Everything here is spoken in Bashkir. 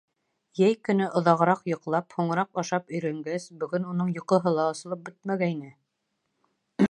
Йәй көнө оҙағыраҡ йоҡлап, һуңыраҡ ашап өйрәнгәс, бөгөн уның йоҡоһо ла асылып бөтмәгәйне.